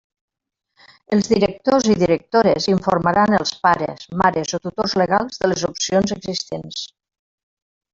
Els directors i directores informaran els pares, mares o tutors legals de les opcions existents.